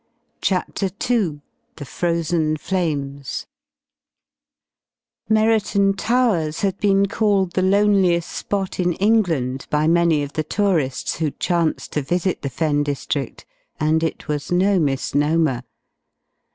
CHAPTER II THE FROZEN FLAMES Merriton Towers had been called the loneliest spot in England by many of the tourists who chanced to visit the Fen district, and it was no misnomer.